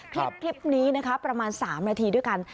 คลิปนี้นะคะประมาณ๓นาทีด้วยกัน